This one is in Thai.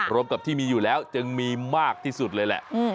รวมกับที่มีอยู่แล้วจึงมีมากที่สุดเลยแหละ